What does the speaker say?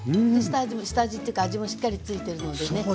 下味というか味もしっかりついてるのでね。